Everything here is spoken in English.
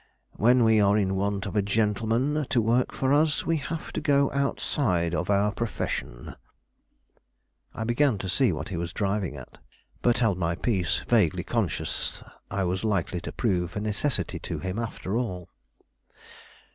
When we are in want of a gentleman to work for us, we have to go outside of our profession." I began to see what he was driving at; but held my peace, vaguely conscious I was likely to prove a necessity to him, after all.